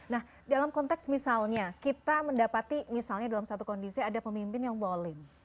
nah dalam konteks misalnya kita mendapati misalnya dalam satu kondisi ada pemimpin yang walling